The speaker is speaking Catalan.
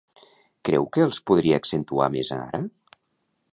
Creu que els podria accentuar més ara?